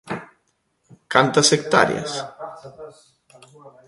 ¿Cantas hectáreas?